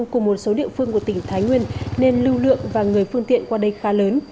cùng một số địa phương của tỉnh thái nguyên nên lưu lượng và người phương tiện qua đây khá lớn